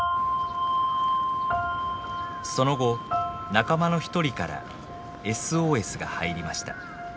その後仲間の一人からＳＯＳが入りました。